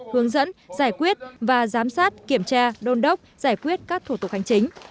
hướng dẫn giải quyết và giám sát kiểm tra đôn đốc giải quyết các thủ tục hành chính